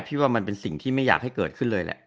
ว่ามันเป็นสิ่งที่ไม่อยากให้เกิดขึ้นเลยแหละ